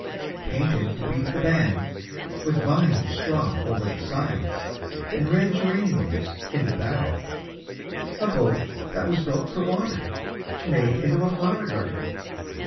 Painted to beat the band, with vines strung over the sides And red geraniums in the bow, a boat that was built for water Made into a flower garden.